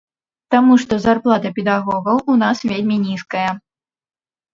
Таму што зарплата педагогаў у нас вельмі нізкая.